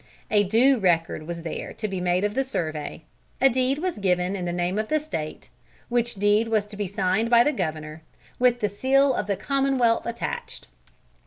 A due record was there to be made of the survey, a deed was to be given in the name of the State, which deed was to be signed by the Governor, with the seal of the Commonwealth attached.